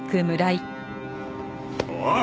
おい！